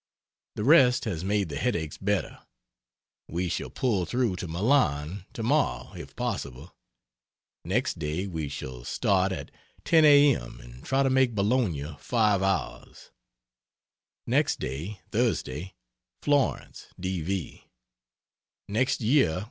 The rest has made the headaches better. We shall pull through to Milan tomorrow if possible. Next day we shall start at 10 a. m., and try to make Bologna, 5 hours. Next day (Thursday) Florence, D. V.